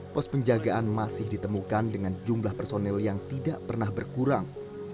pos penjagaan masih ditemukan dengan jumlah personil yang tidak pernah berkurang